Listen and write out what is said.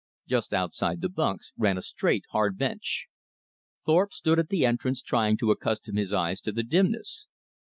Just outside the bunks ran a straight hard bench. Thorpe stood at the entrance trying to accustom his eyes to the dimness.